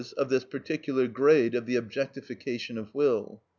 _, of this particular grade of the objectification of will.